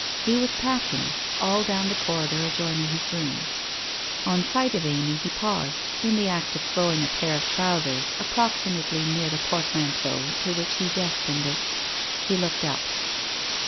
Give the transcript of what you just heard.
He was packing, all down the corridor adjoining his room. On sight of Amy he paused, in the act of throwing a pair of trousers approximately near the port manteau to which he destined it. He looked up.